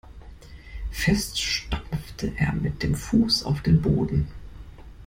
Fest stampfte er mit dem Fuß auf den Boden.